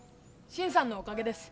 新さんのおかげです。